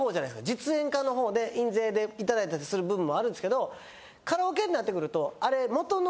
実演家のほうで印税で頂いたりする部分もあるんですけどカラオケになってくるとあれもとの。